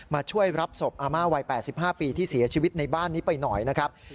มาช่วยรับศพอาม่าวัย๘๕ปีที่เสียชีวิตในบ้านนี้ไปหน่อยนะครับ